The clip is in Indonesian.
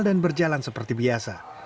dan berjalan seperti biasa